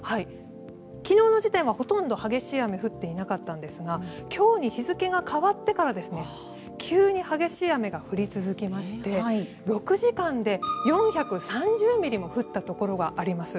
昨日の時点ではほとんど激しい雨は降っていなかったんですが今日に日付が変わってから急に激しい雨が降り続きまして６時間で４３０ミリも降ったところがあります。